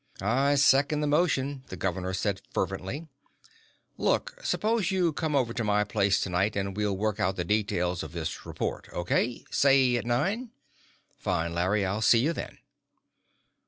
"I second the motion," the governor said fervently. "Look, suppose you come over to my place tonight, and we'll work out the details of this report. O.K.? Say at nine?" "Fine, Larry. I'll see you then."